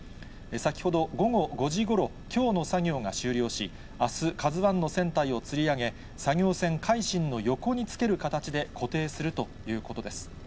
先ほど午後５時ごろ、きょうの作業が終了し、あす、ＫＡＺＵＩの船体をつり上げ、作業船、海進の横につける形で固定するということです。